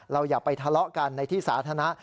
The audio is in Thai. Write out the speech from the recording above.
อย่าไปทะเลาะกันในที่สาธารณะ